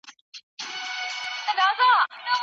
هغه د خپل وخت ټولنې ته ډیر فکر ورکولو.